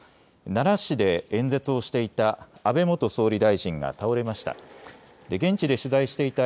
奈良市で演説をしていた安倍元総理大臣が倒れました。